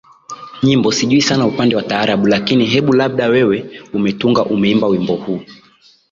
nyimbo Sijui sana upande wa taarabu lakini hebu labda wewe umetunga umeimba Wimbo huu